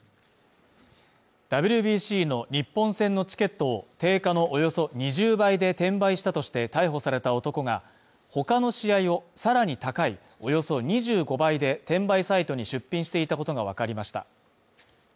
ＷＢＣの日本戦のチケットを定価のおよそ２０倍で転売したとして逮捕された男が、他の試合をさらに高いおよそ２５倍で転売サイトに出品していたことがわかりました